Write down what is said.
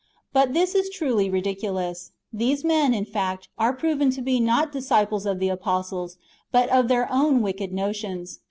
But this is truly ridiculous. These men, in fact, are proved to be not dis ciples of the apostles, but of their own wicked notions.